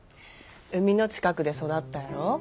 海の近くで育ったやろ？